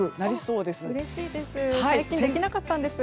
うれしいです。